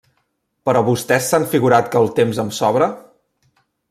¿Però vostès s'han figurat que el temps em sobra?